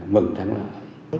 mừng thắng lợi